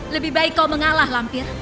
lebih baik kau mengalah lampir